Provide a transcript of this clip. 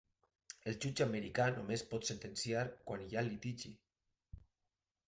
El jutge americà només pot sentenciar quan hi ha litigi.